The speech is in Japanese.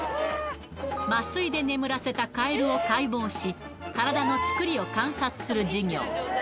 麻酔で眠らせたカエルを解剖し、体の作りを観察する授業。